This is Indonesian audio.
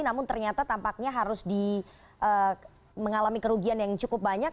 namun ternyata tampaknya harus mengalami kerugian yang cukup banyak